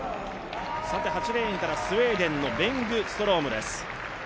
８レーンからスウェーデンのベングツトロームです。